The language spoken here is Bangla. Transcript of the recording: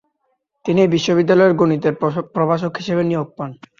তিনি এ বিশ্ববিদ্যালয়েই গণিতের প্রভাষক হিসেবে নিয়োগ পান।